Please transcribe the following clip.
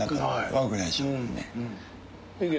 悪くないでしょねっ。